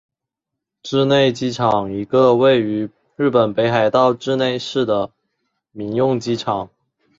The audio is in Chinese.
稚内机场一个位于日本北海道稚内市的民用机场。